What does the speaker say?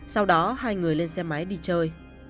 sau đó hai người lên xe máy đi chơi